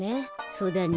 そうだね。